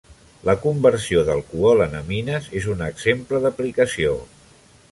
La conversió d'alcohol en amines és un exemple d'aplicació.